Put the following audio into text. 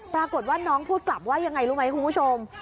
ปรากฏว่าน้องพูดกลับว่ายังไงรู้ไหมคุณผู้ชม